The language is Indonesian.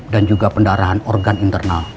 dan juga pendarahan organ internal